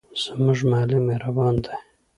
زموږ معلم مهربان دی.